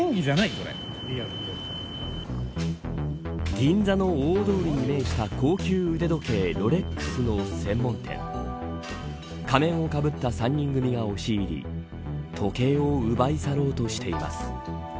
銀座の大通りに面した高級腕時計ロレックスの専門店で仮面をかぶった３人組が押し入り時計を奪い去ろうとしています。